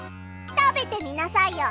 食べてみなさいよ。